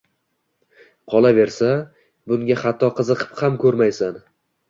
Qolaversa, bunga hatto qiziqib ham ko’rmaysan